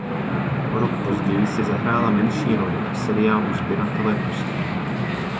O rok později si zahrála menší roli v seriálu "Sběratelé kostí".